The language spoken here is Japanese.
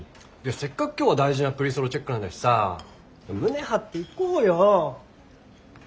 せっかく今日は大事なプリソロチェックなんだしさ胸張っていこうよ。